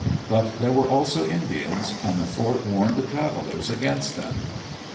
But there were also Indians, and the fort warned the travelers against them.